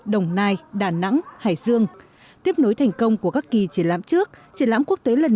đồng nai đà nẵng hải dương tiếp nối thành công của các kỳ triển lãm trước triển lãm quốc tế lần